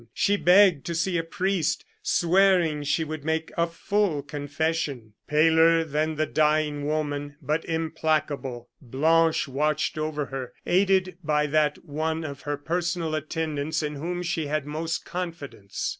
She begged to see a priest, swearing she would make a full confession. Paler than the dying woman, but implacable, Blanche watched over her, aided by that one of her personal attendants in whom she had most confidence.